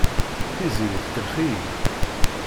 Tiziri tkellex-iyi.